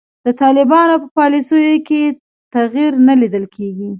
د طالبانو په پالیسیو کې تغیر نه لیدل کیږي.